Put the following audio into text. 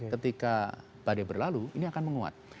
ketika badai berlalu ini akan menguat